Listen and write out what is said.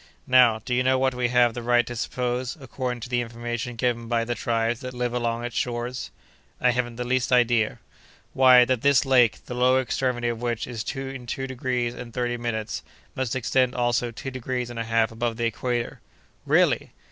Now, do you know what we have the right to suppose, according to the information given by the tribes that live along its shores?" "I haven't the least idea." "Why, that this lake, the lower extremity of which is in two degrees and thirty minutes, must extend also two degrees and a half above the equator." "Really!"